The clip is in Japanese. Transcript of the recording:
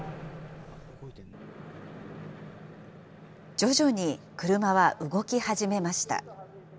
徐々に車は動き始めました。